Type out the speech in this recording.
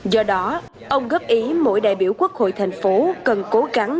do đó ông góp ý mỗi đại biểu quốc hội thành phố cần cố gắng